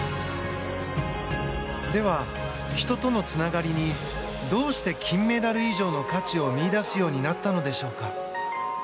では、人とのつながりにどうして金メダル以上の価値を見いだすようになったのでしょうか。